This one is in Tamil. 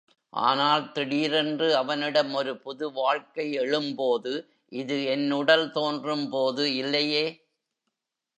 ஆனால் திடீரென்று அவனிடம் ஒரு புது வாழ்க்கை எழும்போது, இது என் உடல் தோன்றும்போது இல்லையே!